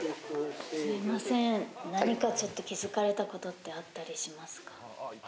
すみません、何かちょっと気付かれたことってあったりしますか？